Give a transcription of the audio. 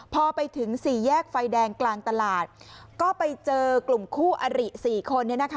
พอไปถึง๔แยกไฟแดงกลางตลาดก็ไปเจอกลุ่มคู่อริ๔คน